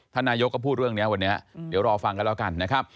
ท่านนายยกก็พูดเรื่องนี้วันนี้